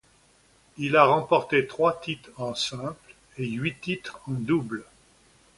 Il a remporté trois titres en simple et huit titres en double.